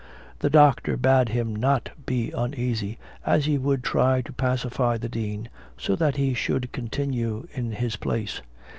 The doctor bade him not be uneasy, as he would try to pacify the dean, so that he should continue in his place.